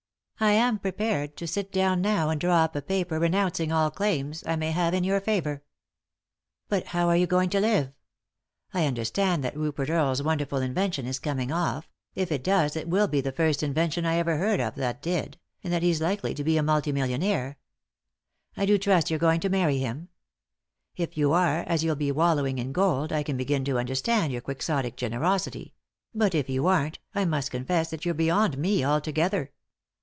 I am prepared to sit down now and draw up a paper renouncing all claims I may have in your favour." " But how are you going to live ? I understand that Rupert Earle's wonderful invention is coming off— if it does it will be the first invention I ever heard of that did— and that he's likely to be a multi mnlionaire. 151 3i 9 iii^d by Google THE INTERRUPTED KISS I do trust you're going to many him. If you are, as you'll be wallowing in gold, I can begin to understand your quixotic generosity ; but if you aren't, I must confess that you're beyond me altogether."